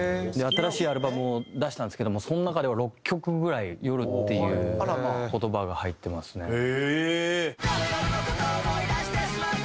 新しいアルバムを出したんですけどもその中では６曲ぐらい「夜」っていう言葉が入ってますね。